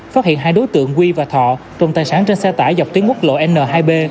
phát hiện hai đối tượng huy và thọ trồng tài sản trên xe tải dọc tuyến ngút lộ n hai b